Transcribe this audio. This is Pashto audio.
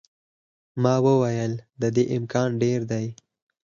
ما وویل، د دې امکان ډېر دی.